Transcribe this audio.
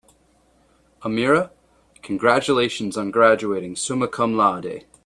"Amira, congratulations on graduating summa cum laude."